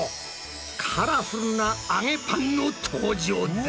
カラフルな揚げパンの登場だ！